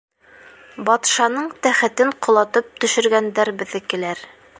— Батшаның тәхетен ҡолатып төшөргәндәр беҙҙекеләр.